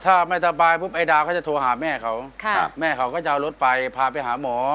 ถ้าไม่สบายปุ๊บไอดาวเขาจะโทรหาแม่เขาแม่เขาก็จะเอารถไปพาไปหาหมอ